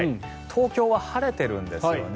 東京は晴れているんですよね。